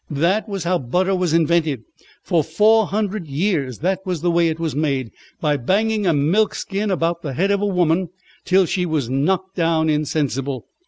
That was how butter was invented. For four hundred years that was the way it was made, by banging a milk skin about the head of a woman till she was knocked down insensible.